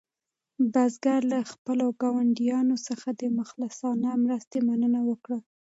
بزګر له خپلو ګاونډیانو څخه د مخلصانه مرستې مننه وکړه.